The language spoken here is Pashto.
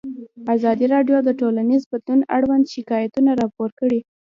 ازادي راډیو د ټولنیز بدلون اړوند شکایتونه راپور کړي.